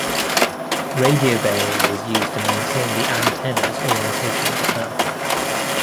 Radio bearing was used to maintain the antennas' orientation to Earth.